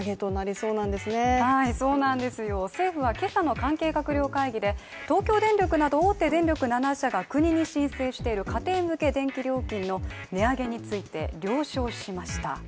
そいうなんですよ、政府は今朝の関係閣僚会議で東京電力など大手電力７社が国に申請している家庭向け電気料金の値上げについて了承しました。